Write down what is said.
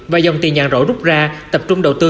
và dòng tiền nhàn rỗ rút ra tập trung đầu tư